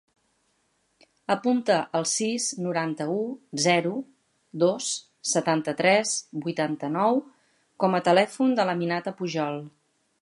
Apunta el sis, noranta-u, zero, dos, setanta-tres, vuitanta-nou com a telèfon de l'Aminata Pujol.